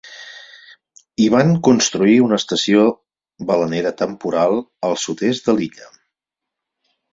Hi van construir una estació balenera temporal al sud-est de l'illa.